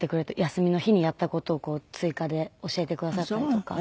休みの日にやった事を追加で教えてくださったりとか。